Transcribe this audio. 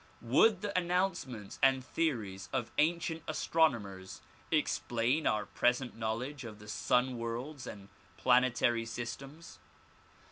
Would the announcements and theories of ancient astronomers explain our present knowledge of the sun worlds and planetary systems?